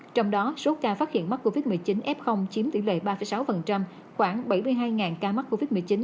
trong đó số ca phát hiện mắc covid một mươi chín f chiếm tỷ lệ ba sáu khoảng bảy mươi hai ca mắc covid một mươi chín